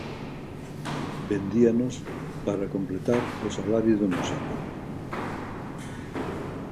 Vendíanos para completar o salario do músico.